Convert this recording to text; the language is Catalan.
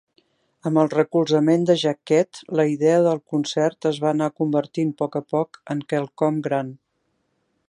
Amb el recolzament de Jacquette, la idea del concert es va anant convertint poc a poc en quelcom gran.